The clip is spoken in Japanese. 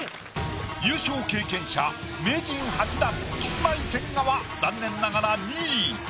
優勝経験者名人８段キスマイ千賀は残念ながら２位。